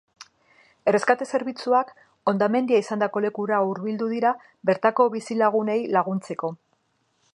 Erreskate zerbitzuak hondamendia izandako lekura hurbildu dira bertako bizilagunei laguntzeko.